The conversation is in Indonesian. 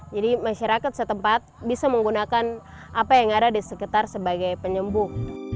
jadi masyarakat setempat bisa menggunakan apa yang ada di sekitar sebagai penyembuh